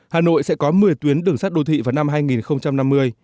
hà nội sẽ có một mươi tuyến đường sắt đô thị vào năm hai nghìn năm mươi